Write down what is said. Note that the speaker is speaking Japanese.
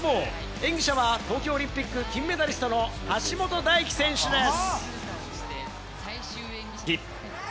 演技者は東京オリンピック金メダリストの橋本大輝選手です。